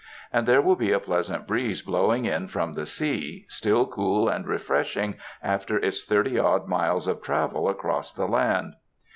And there will be a pleasant breeze blowing in from the sea, still cool and refreshing after its thirty odd miles of travel across the land.